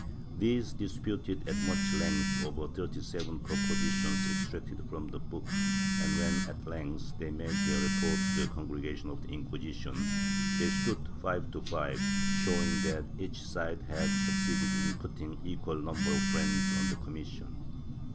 These disputed at much length over thirty seven proposi tions extracted from the book and, when at length they made their report to the Congregation of the Inquisition, they stood five to five, showing that each side had succeeded in putting an equal number of friends on the commission.